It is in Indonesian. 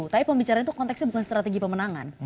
tapi pembicaraan itu konteksnya bukan strategi pemenangan